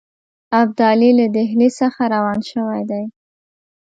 ابدالي له ډهلي څخه روان شوی دی.